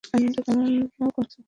এমনটা কেন করছো?